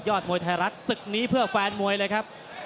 มวยไทยรัฐศึกนี้เพื่อแฟนมวยเลยครับ